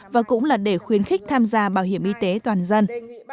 và cũng là để khuyến khích tham gia bảo hiểm y tế toàn dân